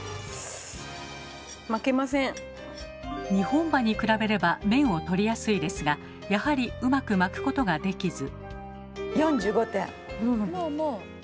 ２本歯に比べれば麺を取りやすいですがやはりうまく巻くことができず。